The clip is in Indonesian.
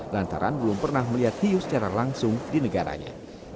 lantaran belum pernah melihat hiu secara langsung di negaranya